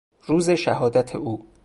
روز شهادت او